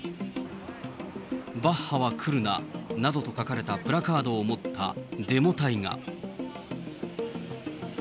バッハは来るななどと書かれたプラカードを持ったデモ隊が。